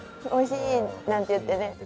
「おいしい」なんて言ってね。